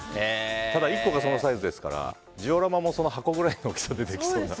ただ、１個がそのサイズですからジオラマもその箱くらいの大きさでできそうな。